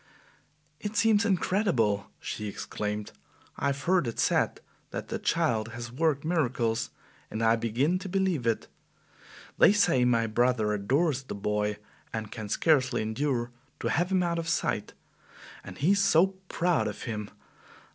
"It seems incredible!" she exclaimed. "I have heard it said that the child has worked miracles, and I begin to believe it. They say my brother adores the boy and can scarcely endure to have him out of sight. And he is so proud of him!